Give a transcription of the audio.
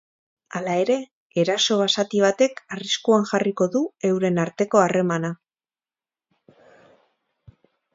Hala ere, eraso basati batek arriskuan jarriko du euren arteko harremana.